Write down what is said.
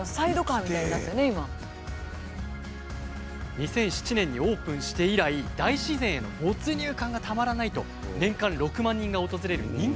２００７年にオープンして以来大自然への没入感がたまらないと年間６万人が訪れる人気スポットに。